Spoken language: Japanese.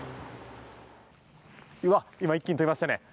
今、一気に飛びましたね。